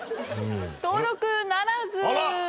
登録ならず！